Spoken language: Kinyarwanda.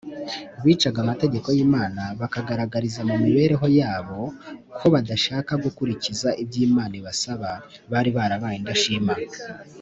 bicaga amategeko y’imana, bakagaragariza mu mibereho yabo ko badashaka gukurikiza ibyo imana ibasaba bari barabaye indashima